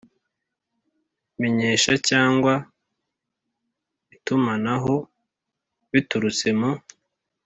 Menyesha cyangwa itumanaho biturutse mu